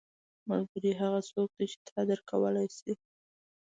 • ملګری هغه څوک دی چې تا درک کولی شي.